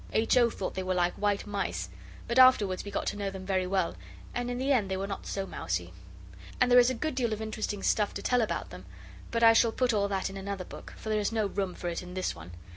H. O. thought they were like white mice; but afterwards we got to know them very well, and in the end they were not so mousy. And there is a good deal of interesting stuff to tell about them; but I shall put all that in another book, for there is no room for it in this one.